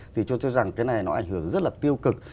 thì cho tôi rằng cái này nó ảnh hưởng rất là tiêu cực